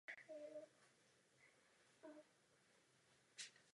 Nechci to dělat.